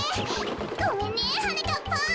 ごめんねはなかっぱん。